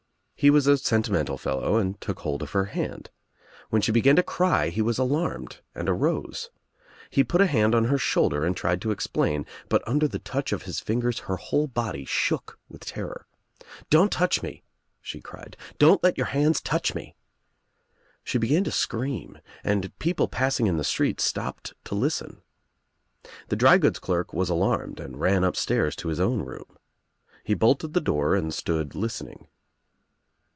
He was a sentimental fellow and took hold of her hand. When she began to cry he was alarmed and arose. He put a hand on her shoulder and tried to ex' plain, but under the touch of his fingers her whole iy shook with terror. "Don't touch me," she cried, 26 THE TRIUMPH OF THE EGG "don't let your hands touch mel" She began to scream and people passing in the street stopped to listen. The drygoods clerk was alarmed and ran up stairs to his own room. He bolted the door and stood listening.